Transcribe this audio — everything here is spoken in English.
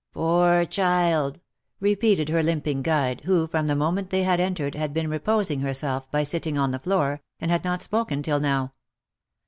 u Poor child.'" repeated her limping guide, who, from the moment they had entered, had been reposing herself, by sitting on the floor, and had not spoken till now.